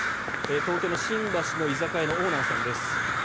東京の新橋の居酒屋オーナーさんです。